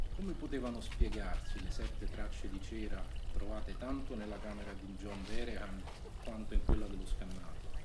Come potevano spiegarsi le sette tracce di cera, trovate tanto nella camera di John Vehrehan quanto in quella dello scannato?